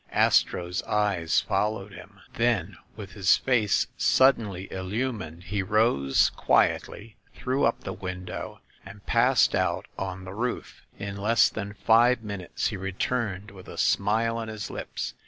Astro's eyes fol lowed him. Then, with his face suddenly illumined, he rose quietly, threw up the window, and passed out on the roof. In less than five minutes he returned with a smile on his lips.